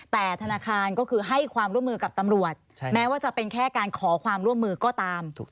แต่ธนาคารก็คือให้ความร่วมมือกับตำรวจแม้ว่าจะเป็นแค่การขอความร่วมมือก็ตาม